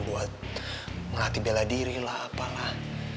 buat ngelatih bela diri lah apalah